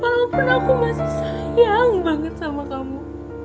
padahal pun aku masih sayang banget kamu